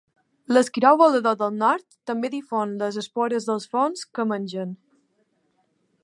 L'esquirol volador del nord també difon les espores dels fongs que mengen.